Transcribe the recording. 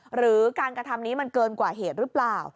หรือการกระทำนี้มันเกินกว่าเหตุหรือเปล่า